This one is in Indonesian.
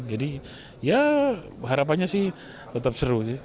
jadi ya harapannya sih tetap seru